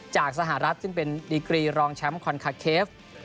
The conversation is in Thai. จากสหรัฐซึ่งเป็นดีกรีรองแชมป์คอนคาเคฟ